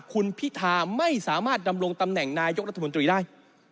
คุณพิธาไม่สามารถดำรงตำแหน่งนายกรัฐมนตรีได้